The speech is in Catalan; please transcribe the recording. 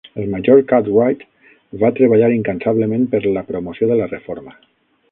El major Cartwright va treballar incansablement per la promoció de la reforma.